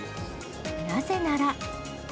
なぜなら。